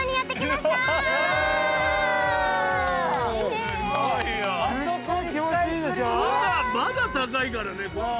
まだ高いからね。